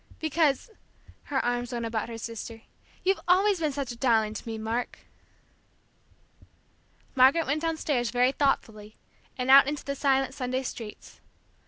Because," her arms went about her sister, "you've always been such a darling to me, Mark!" Margaret went downstairs very thoughtfully, and out into the silent Sunday streets.